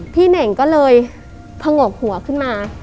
พี่เน่งก็เลยพังออกหัวขึ้นมา